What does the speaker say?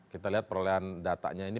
kita lihat perolehan datanya ini